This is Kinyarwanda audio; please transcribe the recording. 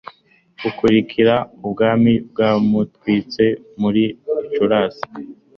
bukurikira ubwari bwamuritswe muri Gicurasi